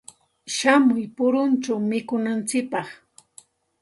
Shamuy puruchaw mikunantsikpaq.